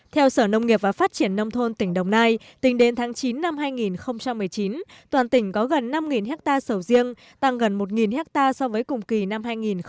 theo sở nông nghiệp và phát triển nông thôn tỉnh đồng nai tính đến tháng chín năm hai nghìn một mươi chín toàn tỉnh có gần năm hectare sầu riêng tăng gần một hectare so với cùng kỳ năm hai nghìn một mươi tám